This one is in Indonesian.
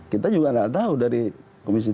kita juga tidak tahu dari komisi tiga